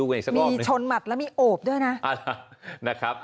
มีชนมัดและมีโอปด้วยนะ